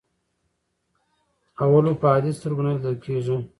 اولو په عادي سترګو نه لیدل کېږي.